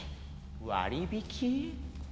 割引？